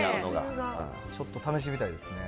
ちょっと試してみたいですね。